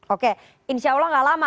oke insya allah gak lama